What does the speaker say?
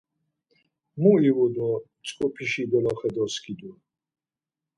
Mu ivu do mtzǩupişi doloxe doskidu?